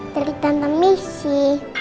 dari tante misi